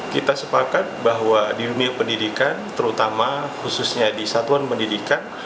kita sepakat bahwa di dunia pendidikan terutama khususnya di satuan pendidikan